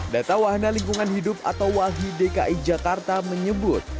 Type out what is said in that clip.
data wahana lingkungan hidup atau wahi dki jakarta menyebut